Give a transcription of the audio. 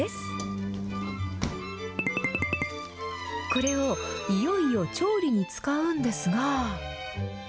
これをいよいよ調理に使うんですが。